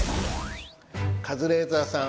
カズレーザーさん